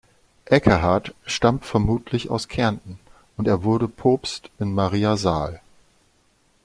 Ekkehard stammt vermutlich aus Kärnten und er wurde Propst in Maria Saal.